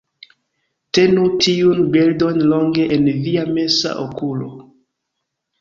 Tenu tiun bildon longe en via mensa okulo